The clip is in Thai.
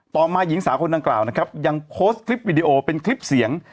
มาหญิงสาวคนดังกล่าวนะครับยังโพสต์คลิปวิดีโอเป็นคลิปเสียง